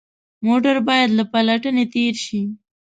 موټر باید له پلټنې تېر شي.